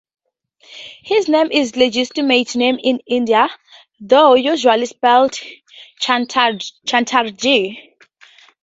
His name is a legitimate name in India, though usually spelled 'Chatterjee'.